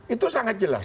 itu sangat jelas